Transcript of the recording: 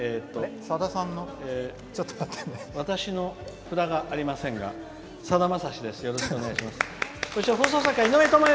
私の札がありませんがさだまさしです。